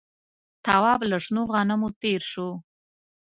تواب له شنو غنمو تېر شو.